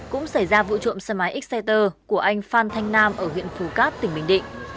cũng xảy ra vụ trộm xe máy xcer của anh phan thanh nam ở huyện phù cát tỉnh bình định